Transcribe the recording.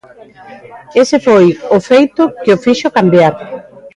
Ese foi o feito que o fixo cambiar.